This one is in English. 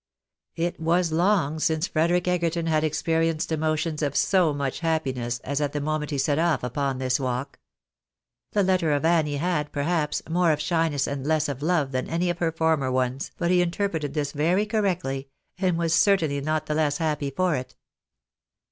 It was long since Frederic Egerton had experienced emotions of so much happiness as at the moment he set off upon this walk. The letter of Annie had, perhaps, more of shyness and less of love than any of her former ones, but he interpreted this very correctly, and was certainly not the less happy for it.